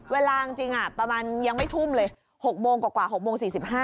เวลาจริงประมาณยังไม่ทุ่มเลย๖โมงกว่า๖โมง๔๕